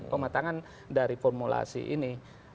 pematangan dari formulasi ini